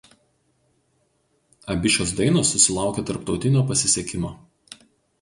Abi šios dainos susilaukė tarptautinio pasisekimo.